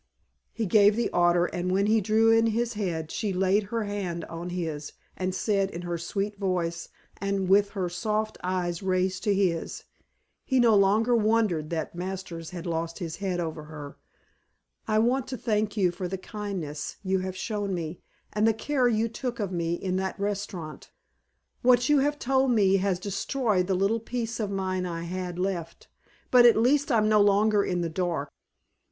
He gave the order and when he drew in his head she laid her hand on his and said in her sweet voice and with her soft eyes raised to his (he no longer wondered that Masters had lost his head over her), "I want to thank you for the kindness you have shown me and the care you took of me in that restaurant. What you have told me has destroyed the little peace of mind I had left, but at least I'm no longer in the dark.